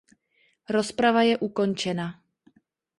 Rozprava je ukončena.